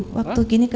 jadi kamu nunduk